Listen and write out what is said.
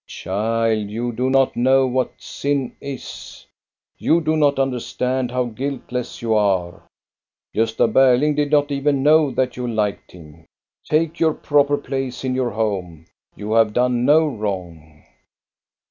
Child, you do not know what sin is. You do not understand how guiltless you are. Gosta Berling did not even know that you liked him. Take your proper place in your home! You have done no wrong."